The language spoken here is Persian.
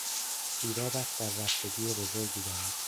جورابت دررفتگی بزرگی دارد.